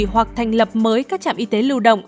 hoặc thành lập mới các trạm y tế lưu động